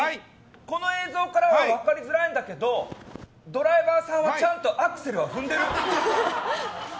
この映像からは分かりづらいんだけどドライバーさんはちゃんとアクセルは踏んでる？